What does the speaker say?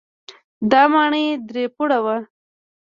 دا ماڼۍ درې پوړه وه.